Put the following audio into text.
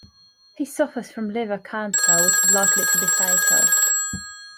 He suffers from liver cancer which is likely to be fatal.